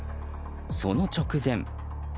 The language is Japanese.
その直前。